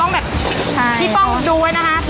แบบพี่ป้องดูไว้นะคะ